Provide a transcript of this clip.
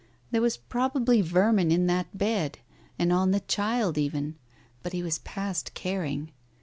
... There was probably vermin in that bed, and on the child even, but he was past caring.